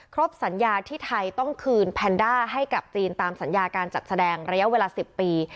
สัญญาที่ไทยต้องคืนแพนด้าให้กับจีนตามสัญญาการจัดแสดงระยะเวลา๑๐ปี